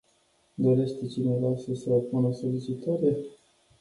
Dorește cineva să se opună solicitării?